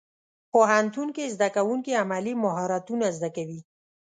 پوهنتون کې زدهکوونکي عملي مهارتونه زده کوي.